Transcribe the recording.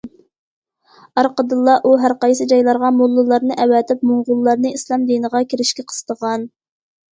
ئارقىدىنلا ئۇ ھەرقايسى جايلارغا موللىلارنى ئەۋەتىپ، موڭغۇللارنى ئىسلام دىنىغا كىرىشكە قىستىغان.